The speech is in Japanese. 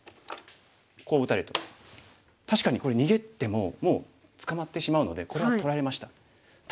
こう打たれると確かにこれ逃げてももう捕まってしまうのでこれは取られました。